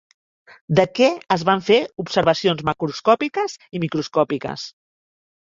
De què es van fer observacions macroscòpiques i microscòpiques?